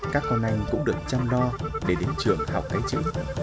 các con anh cũng được chăm lo để đến trường học cái chữ